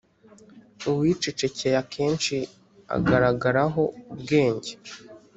uwicecekeye akenshi agaragaraho ubwenge.